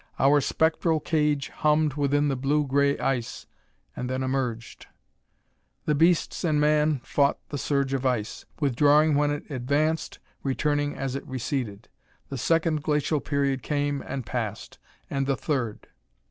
Our spectral cage hummed within the blue gray ice, and then emerged. The beasts and man fought the surge of ice, withdrawing when it advanced, returning as it receded. The Second Glacial Period came and passed, and the Third....